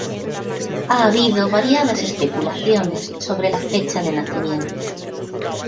Ha habido variadas especulaciones sobre la fecha de nacimiento.